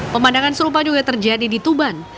pemandangan serupa juga terjadi di tuban